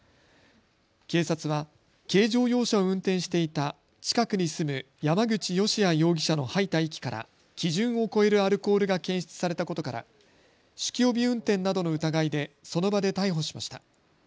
警察は軽乗用車を運転していた近くに住む山口芳也容疑者の吐いた息から基準を超えるアルコールが検出されたことから酒気帯び運転などの疑いでその場で逮捕しました。